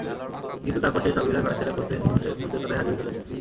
কিন্তু তারপর সেই সংবিধান কাটাছেঁড়া করতে করতে মূল চেতনাই হারিয়ে ফেলেছ।